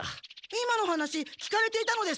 今の話聞かれていたのですか？